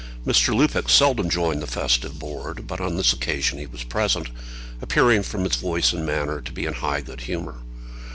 Mr. Lupex seldom joined that festive board, but on this occasion he was present, appearing from his voice and manner to be in high good humour.